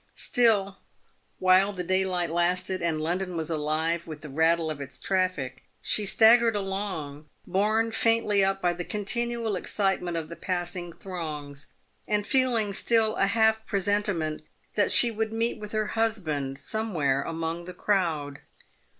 Still, while the daylight lasted, and London was alive with the rattle of its traffic, she staggered along, borne faintly up by the continual excitement of the passing throngs, and feeling still a half presentiment that she would meet with her husband somewhere among the crowd.